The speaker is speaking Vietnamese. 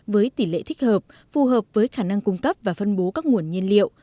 với tỷ lệ thích hợp phù hợp với khả năng cung cấp và phân bố các nguồn nhiên liệu